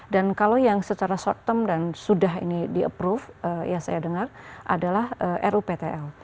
dan kalau yang secara short term dan sudah ini di approve ya saya dengar adalah ruptl